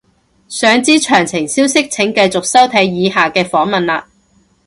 想知詳細消息請繼續收睇以下嘅訪問喇